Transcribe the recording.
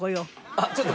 あっちょっと。